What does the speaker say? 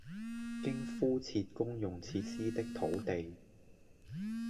經敷設公用設施的土地